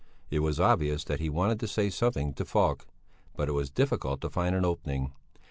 It was obvious that he wanted to say something to Falk, but it was difficult to find an opening.